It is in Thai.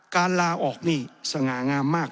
ลาออกนี่สง่างามมาก